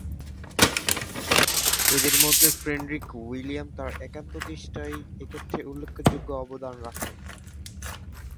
এদের মধ্যে Friedrich William তাঁর একান্ত চেষ্টায় এক্ষেত্রে উল্লেখযোগ্য অবদান রাখেন।